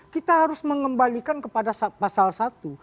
kita harus mengembalikan kepada pasal satu